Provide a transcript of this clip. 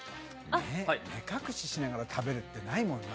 目隠ししながら食べるってないもんな。